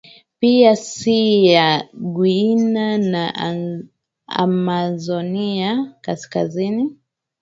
pia Shii ya Guiana ya Amazonia kaskazini